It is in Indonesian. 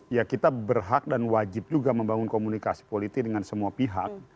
ya kita berhak dan wajib juga membangun komunikasi politik dengan semua pihak